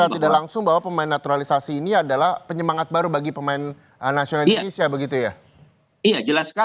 jadi secara tidak langsung pemain naturalisasi ini adalah penyemangat baru bagi pemain nasional di indonesia